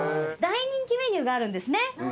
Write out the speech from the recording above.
大人気メニューがあるんですね。